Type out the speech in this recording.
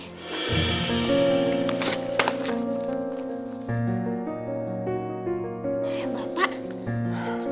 ayolah pak gak apa apa aja pak